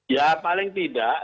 ya paling tidak